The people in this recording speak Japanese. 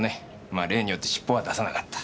まあ例によってしっぽは出さなかった。